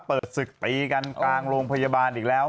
เปิดศึกตีกันกลางโรงพยาบาลอีกแล้ว